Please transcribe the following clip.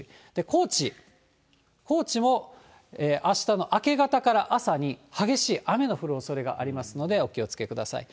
高知、高知もあしたの明け方から朝に、激しい雨の降るおそれがありますのでお気をつけください。